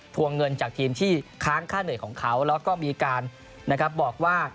วงเงินจากทีมที่ค้างค่าเหนื่อยของเขาแล้วก็มีการบอกว่า